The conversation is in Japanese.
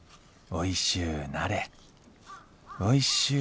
おいしゅうなれ。